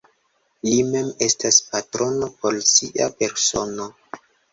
Li mem estas patrono por sia persono.